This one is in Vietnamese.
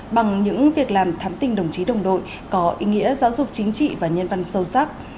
bằng những việc làm thắm tình đồng chí đồng đội có ý nghĩa giáo dục chính trị và nhân văn sâu sắc